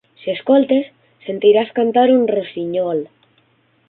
Si escoltes, sentiràs cantar un rossinyol.